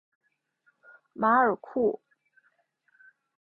马尔库。